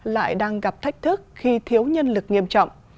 lại đang gặp thách thức khi thiếu nhân lực nghiêm trọng